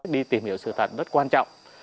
đi tìm hiểu sự thật rất quan trọng